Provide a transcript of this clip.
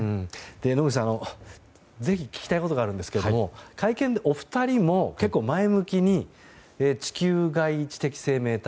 野口さんに、ぜひ聞きたいことがあるんですが会見でお二人も結構前向きに、地球外知的生命体